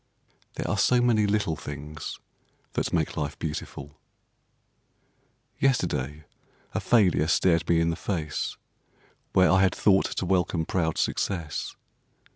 There are so many little things that make life beautiful. Yesterday a failure stared me in the face, where I had thought to welcome proud success.